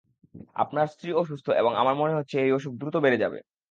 আপনার স্ত্রী অসুস্থ এবং আমার মনে হচ্ছে এই অসুখ দ্রুত বেড়ে যাবে।